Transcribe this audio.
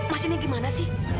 mas ini gimana sih